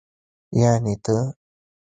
يعنې ته.